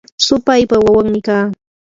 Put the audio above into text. supaypa wawanmi kaa.